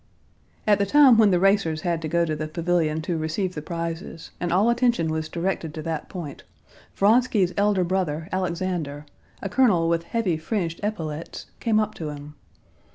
At the time when the racers had to go to the pavilion to receive the prizes, and all attention was directed to that point, Vronsky's elder brother, Alexander, a colonel with heavy fringed epaulets, came up to him.